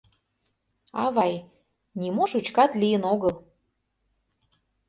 — Авай, нимо шучкат лийын огыл.